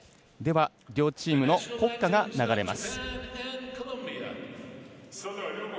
両チームの国歌が流れます。